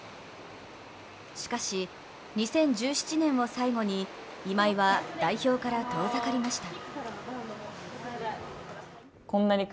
しかし、２０１７年を最後に今井は代表から遠ざかりました。